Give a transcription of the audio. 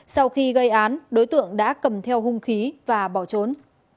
sau khi gây án đối tượng đã cầm theo hung khí và bỏ trốn